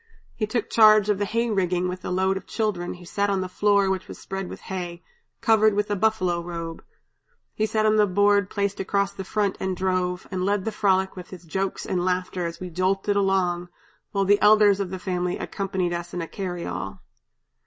He took charge of the 'hay rigging' with the load of children, who sat on the floor which was spread with hay, covered with a buffalo robe; he sat on a board placed across the front and drove, and led the frolic with his jokes and laughter as we jolted along, while the elders of the family accompanied us in a 'carryall.'